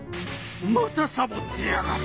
またサボってやがる。